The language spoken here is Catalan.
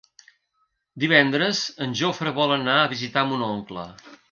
Divendres en Jofre vol anar a visitar mon oncle.